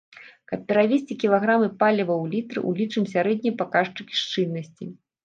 Каб перавесці кілаграмы паліва ў літры, улічым сярэднія паказчыкі шчыльнасці.